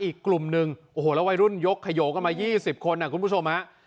อีกกลุ่มหนึ่งแล้ววัยรุ่นยกไขโยเข้ามายี่สิบคนอ่ะคุณผู้ชม